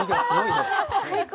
最高！